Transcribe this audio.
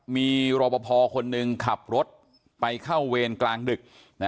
มีรอปภคนหนึ่งขับรถไปเข้าเวรกลางดึก